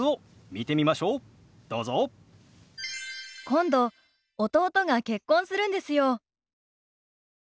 今度弟が結婚するんですよ。